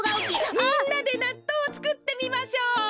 みんなでなっとうをつくってみましょう！